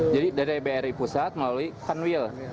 jadi dari bri pusat melalui tanwil